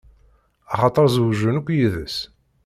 Axaṭer zewǧen akk yid-s.